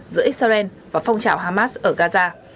giữa israel và phong trào hamas ở gaza